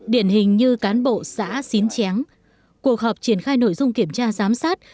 điển hình như cán bộ xã xín chén cuộc họp triển khai nội dung kiểm tra giám sát